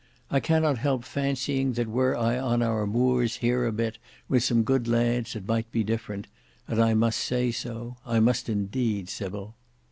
I cannot help fancying that were I on our Moors here a bit with some good lads it might be different, and I must say so, I must indeed, Sybil."